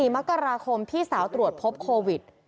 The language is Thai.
๔มกราคมพี่สาวตรวจพบโควิด